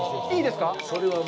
いいですか？